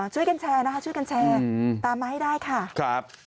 ช่วยกันแชร์นะคะช่วยกันแชร์ตามมาให้ได้ค่ะครับ